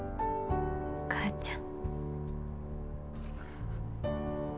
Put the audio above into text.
お母ちゃん。